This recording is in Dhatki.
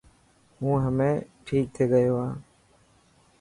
هون همي ٺيڪ ٿي گيو هان